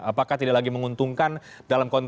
dan apa yang menyebabkan